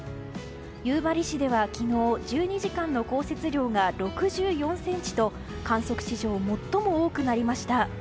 夕張市では昨日１２時間の降雪量が６４ｃｍと観測史上最も多くなりました。